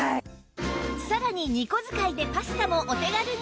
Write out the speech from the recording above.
さらに２個使いでパスタもお手軽に